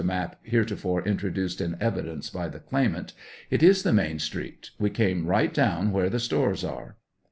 map here tofore introduced in evidence by the claimant ;). it is the main street ; we came right down where the stores are.